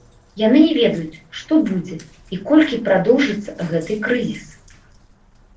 Яны не ведаюць, што будзе і колькі прадоўжыцца гэты крызіс.